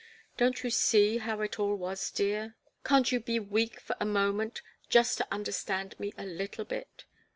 Don't you see how it all was, dear? Can't you be weak for a moment, just to understand me a little bit?